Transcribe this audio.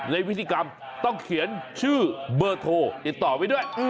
พิธีกรรมต้องเขียนชื่อเบอร์โทรติดต่อไว้ด้วย